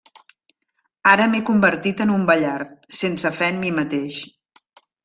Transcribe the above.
Ara m'he convertit en un vellard, sense fe en mi mateix.